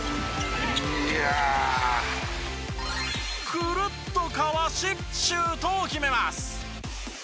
くるっとかわしシュートを決めます。